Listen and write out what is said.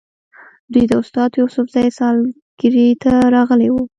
دوی د استاد یوسفزي سالګرې ته راغلي وو.